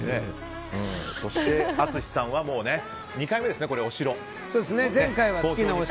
そして淳さんは２回目ですね、お城。